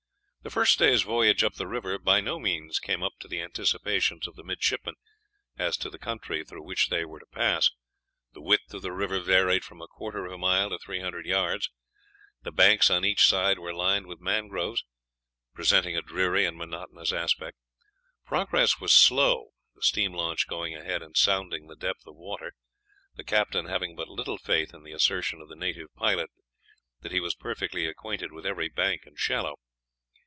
The first day's voyage up the river by no means came up to the anticipations of the midshipmen as to the country through which they were to pass. The width of the river varied from a quarter of a mile to three hundred yards; the banks on each side were lined with mangroves, presenting a dreary and monotonous aspect. Progress was slow, the steam launch going ahead and sounding the depth of water, the captain having but little faith in the assertion of the native pilot that he was perfectly acquainted with every bank and shallow.